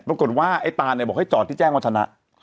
ปรากฏว่าไอ้ตานเนี่ยบอกให้จอดที่แจ้งวัฒนะ